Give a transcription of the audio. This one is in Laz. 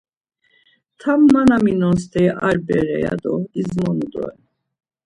Tam ma na minon steri ar bere, ya do izmonu doren.